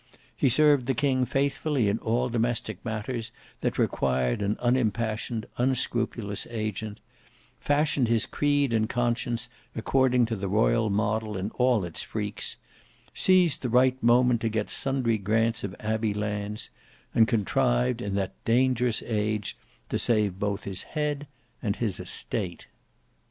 He served the king faithfully in all domestic matters that required an unimpassioned, unscrupulous agent; fashioned his creed and conscience according to the royal model in all its freaks; seized the right moment to get sundry grants of abbey lands, and contrived in that dangerous age to save both his head and his estate.